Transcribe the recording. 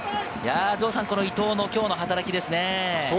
伊藤のきょうの働きですね。